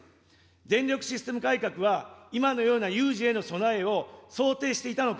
電力システム改革は、今のような有事への備えを、想定していたのか。